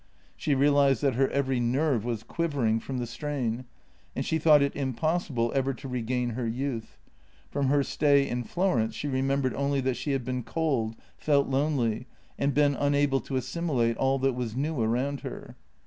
She realized that her every nerve was quivering from the strain, and she thought it impossible ever to regain her youth. From her stay in Florence she remembered only that she had been cold, felt lonely, and been unable to assimilate all that was new around her.